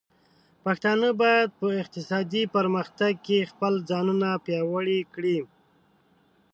پښتانه بايد په اقتصادي پرمختګ کې خپل ځانونه پياوړي کړي.